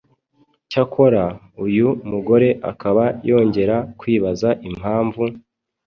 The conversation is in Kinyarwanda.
Cyakora uyu mugore akaba yongera kwibaza impamvu